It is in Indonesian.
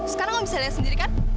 sekarang kamu bisa lihat sendiri kan